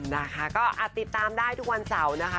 นะคะก็อาจติดตามได้ทุกวันเสาร์นะคะ